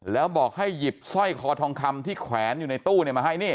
แล้วบอกให้หยิบสร้อยคอทองคำที่แขวนอยู่ในตู้มาให้นี่